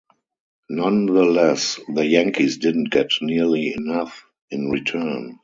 Nonetheless, the Yankees didn't get nearly enough in return.